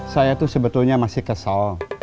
saya tuh sebetulnya masih kesal